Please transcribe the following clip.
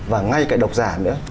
và ngay cả độc giả nữa